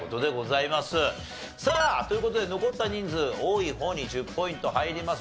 さあという事で残った人数多い方に１０ポイント入ります。